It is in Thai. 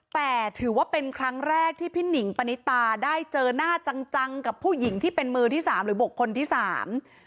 แต่ถือว่าเป็นครั้งแรกที่พี่หนิงปณิตาได้เจอหน้าจังจังกับผู้หญิงที่เป็นมือที่สามหรือบุคคลที่สาม